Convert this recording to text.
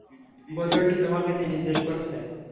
বোতলটি তোমাকে নির্দেশ করছে।